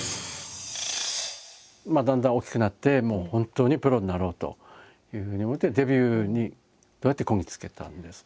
だんだん大きくなってもう本当にプロになろうというふうに思ってデビューにどうやってこぎ着けたんですか？